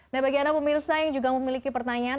nah bagi anda pemirsa yang juga memiliki pertanyaan